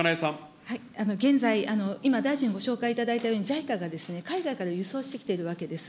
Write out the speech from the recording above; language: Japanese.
現在、今、大臣ご紹介いただいたように、ＪＩＣＡが海外から輸送してきているわけです。